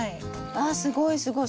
あすごいすごい。